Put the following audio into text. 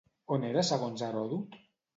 On era segons Herodot?